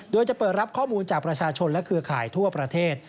โดยจะเปิดรับข้อมูลจากประชาชนและเครือข่ายทั่วประเทศ